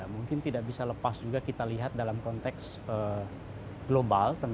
mungkin tidak bisa lepas juga kita lihat dalam konteks global